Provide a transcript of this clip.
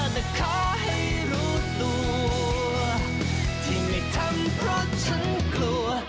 แต่ขอให้รู้ตัวที่ไม่ทำเพราะฉันกลัว